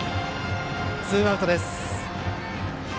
ツーアウトです。